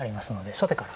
初手から。